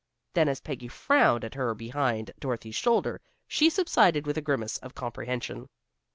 Then as Peggy frowned at her behind Dorothy's shoulder, she subsided with a grimace of comprehension.